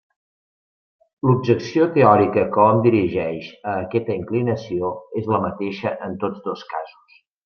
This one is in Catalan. L'objecció teòrica que hom dirigeix a aquesta inclinació és la mateixa en tots dos casos.